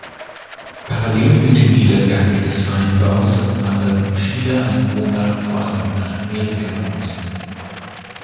Parallel mit dem Niedergang des Weinbaus wanderten viele Einwohner vor allem nach Amerika aus.